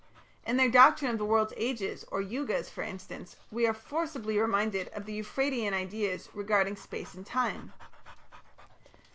In their Doctrine of the World's Ages or Yugas, for instance, we are forcibly reminded of the Euphratean ideas regarding space and time.